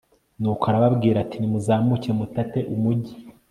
nuko arababwira ati nimuzamuke mutate umugi